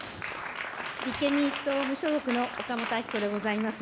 立憲民主党・無所属の岡本あき子でございます。